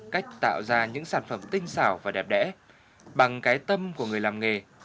cách tạo ra những sản phẩm tinh xảo và đẹp đẽ bằng cái tâm của người làm nghề